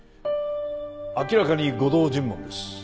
明らかに誤導尋問です。